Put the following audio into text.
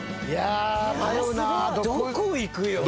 どこ行くん？